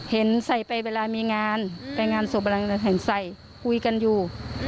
เห็นใส่ไปเวลามีงานไปงานศพอะไรเห็นใส่คุยกันอยู่